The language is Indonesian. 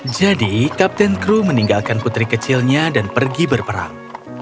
jadi kapten kru meninggalkan putri kecilnya dan pergi berperang